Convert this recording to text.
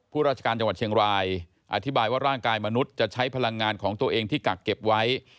ราชการจังหวัดเชียงรายอธิบายว่าร่างกายมนุษย์จะใช้พลังงานของตัวเองที่กักเก็บไว้